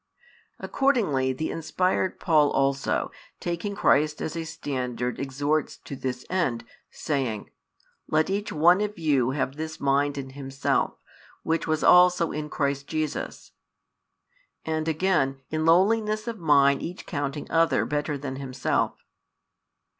Accordingly the inspired Paul also, taking Christ as a standard, exhorts to this end, saying: Let each one of you have this mind in himself, which was also in Christ Jesus. And again: In lowliness of mind each counting other better than himself.